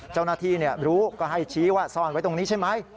เจ้าหน้าที่รู้ก็ให้ชี้ว่าซ่อนไว้ตรงนี้ใช่ไหม